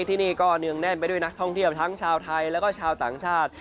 ที่นี่ก็เนืองแน่นไปด้วยนักท่องเที่ยวทั้งชาวไทยแล้วก็ชาวต่างชาติ